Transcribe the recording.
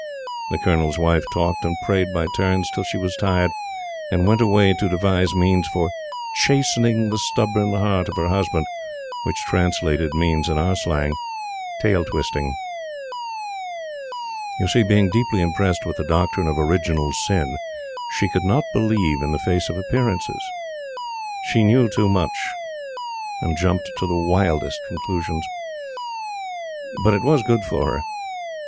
The Colonel's Wife talked and prayed by turns till she was tired, and went away to devise means for "chastening the stubborn heart of her husband." Which translated, means, in our slang, "tail twisting." You see, being deeply impressed with the doctrine of Original Sin, she could not believe in the face of appearances. She knew too much, and jumped to the wildest conclusions. But it was good for her.